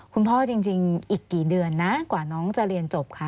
คุณพ่อจริงอีกกี่เดือนนะกว่าน้องจะเรียนจบค่ะ